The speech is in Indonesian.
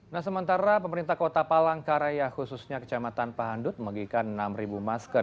nah sementara pemerintah kota palangkaraya khususnya kecamatan pahandut menggigikan enam masker